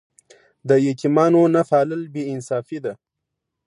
د یتیمانو نه پالل بې انصافي ده.